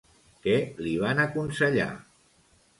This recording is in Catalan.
Què li van aconsellar?